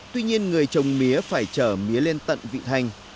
tuy nhiên người trồng mía phải trở mía lên tận vị thành